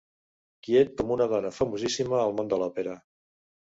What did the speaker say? Quiet com una dona famosíssima al món de l'òpera.